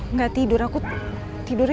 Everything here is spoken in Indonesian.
nggak tidur aku tidurnya